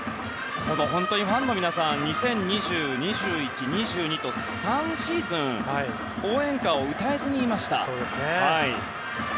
ファンの皆さん２０２０、２０２１、２０２２と３シーズン応援歌を歌えずにいました。